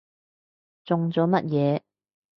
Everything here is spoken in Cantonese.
中咗乜嘢？